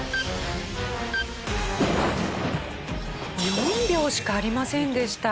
４秒しかありませんでした。